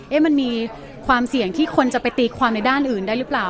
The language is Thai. มันมีความเสี่ยงที่คนจะไปตีความในด้านอื่นได้หรือเปล่า